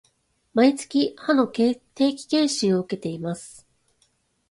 毎月、歯の定期検診を受けています